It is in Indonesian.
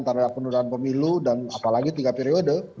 penyeludahan pemilu dan apalagi tiga periode